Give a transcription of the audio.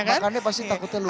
makannya pasti takutnya lupa